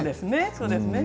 そうですね